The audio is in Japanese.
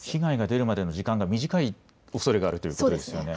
被害が出るまでの時間が短いおそれがあるということですね。